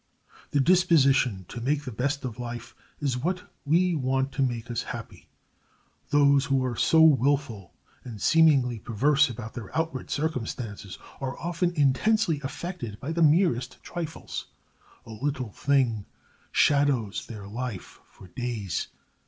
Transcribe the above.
The disposition to make the best of life is what we want to make us happy. Those who are so willful and seemingly perverse about their outward circumstances are often intensely affected by the merest trifles. A little thing shadows their life for days.